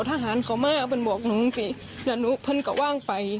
ฉันนั้นผมก็ว่างไป